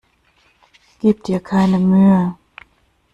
Gib dir keine Mühe!